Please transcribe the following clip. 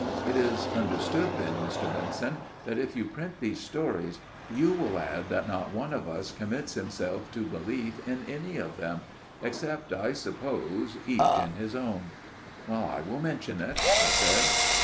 " It is understood, then, Mr. Benson, that if you print these stories, you will add that not one of us commits himself to belief in any of them except, I suppose, each in his own ?"" I will mention it," I said.